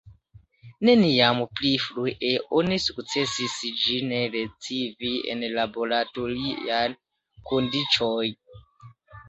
Neniam pli frue oni sukcesis ĝin ricevi en laboratoriaj kondiĉoj.